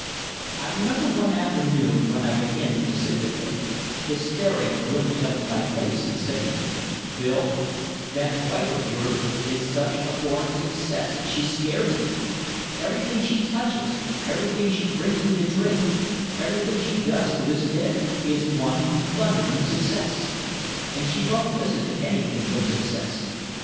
I remember one afternoon when I went in to sit with him, his staring grimly up at my face and saying: "Bill, that wife of yours is such a born success she scares me. Everything she touches, everything she brings me to drink, everything she does to this bed, is one thundering success. And she won't listen to anything but success.